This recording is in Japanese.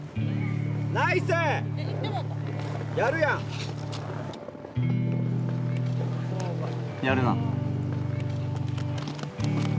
やるやん！